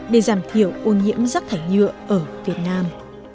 để giảm thiểu ô nhiễm rác thải nhựa ở việt nam